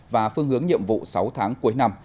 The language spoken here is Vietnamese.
và phương hướng nhiệm vụ sáu tháng cuối năm